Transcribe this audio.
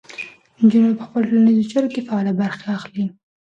نجونې په خپلو ټولنیزو چارو کې فعالې برخې اخلي.